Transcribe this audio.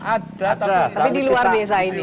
ada tapi di luar desa ini